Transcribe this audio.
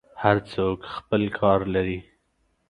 هر څوک خپل کار لري.